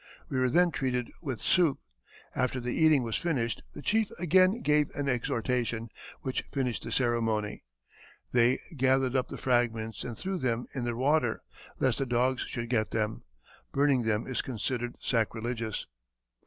We were then treated with soup. After the eating was finished the chief again gave an exhortation, which finished the ceremony. They gather up the fragments and threw them in the water, lest the dogs should get them. Burning them is considered sacreligious."